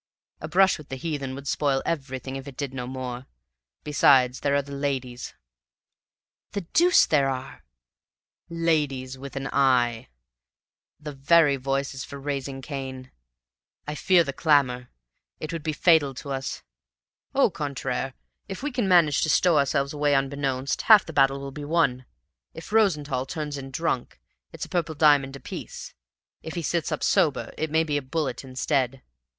A brush with the heathen would spoil everything, if it did no more. Besides, there are the ladies " "The deuce there are!" "Ladies with an I, and the very voices for raising Cain. I fear, I fear the clamor! It would be fatal to us. Au contraire, if we can manage to stow ourselves away unbeknownst, half the battle will be won. If Rosenthall turns in drunk, it's a purple diamond apiece. If he sits up sober, it may be a bullet instead.